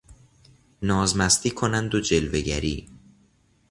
نازمستی کنند و جلوهگری